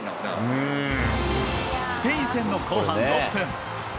スペイン戦の後半６分。